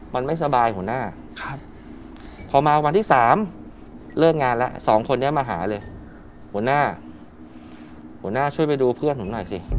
มันไม่สบายหัวหน้าพอมาวันที่๓เลิกงานแล้วสองคนนี้มาหาเลยหัวหน้าหัวหน้าช่วยไปดูเพื่อนผมหน่อยสิ